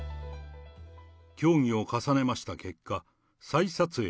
協議を重ねました結果、再撮影、